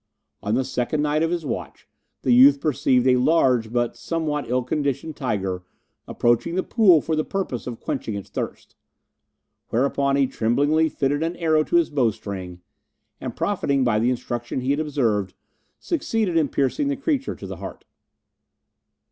On the second night of his watch, the youth perceived a large but somewhat ill conditioned tiger approaching the pool for the purpose of quenching its thirst, whereupon he tremblingly fitted an arrow to his bowstring, and profiting by the instruction he had received, succeeded in piercing the creature to the heart.